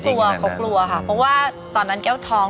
กลัวเขากลัวค่ะเพราะว่าตอนนั้นแก้วท้อง